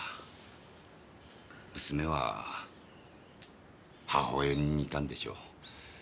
娘は母親に似たんでしょう。